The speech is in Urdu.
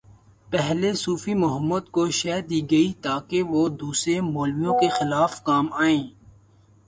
پہلے صوفی محمد کو شہ دی گئی تاکہ وہ دوسرے مولویوں کے خلاف کام آئیں۔